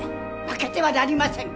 負けてはなりません！